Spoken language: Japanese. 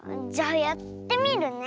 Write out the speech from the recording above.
じゃあやってみるね。